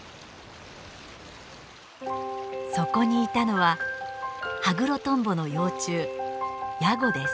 そこにいたのはハグロトンボの幼虫ヤゴです。